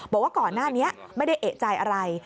บอกว่าก่อนหน้านี้ไม่ได้เอกใจอะไร